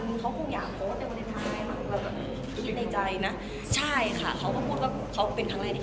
พี่สัญญาแล้วอย่างน้อยต่อผมเบาไปทั่วไป